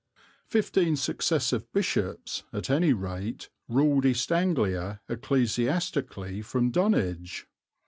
Fifteen successive bishops, at any rate, ruled East Anglia ecclesiastically from Dunwich.